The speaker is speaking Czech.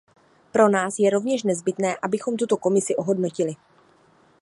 Pro nás je rovněž nezbytné, abychom tuto Komisi ohodnotili.